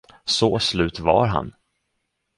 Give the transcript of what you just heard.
Så slut var han.